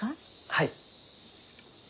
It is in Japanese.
はい。